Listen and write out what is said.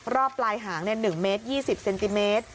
ปลายหาง๑เมตร๒๐เซนติเมตร